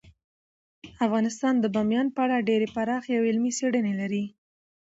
افغانستان د بامیان په اړه ډیرې پراخې او علمي څېړنې لري.